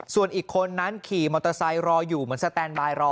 ส่วนอีกคนนั้นขี่มอเตอร์ไซค์รออยู่เหมือนสแตนบายรอ